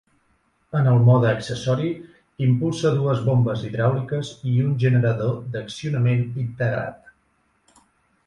En el mode accessori, impulsa dues bombes hidràuliques i un generador d'accionament integrat.